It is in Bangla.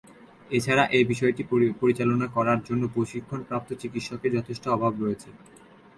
এছাড়া এ বিষয়টি পরিচালনা করার জন্য প্রশিক্ষণপ্রাপ্ত চিকিৎসকের যথেষ্ট অভাব রয়েছে।